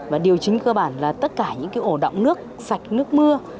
và điều chính cơ bản là tất cả những cái ổ đọng nước sạch nước mưa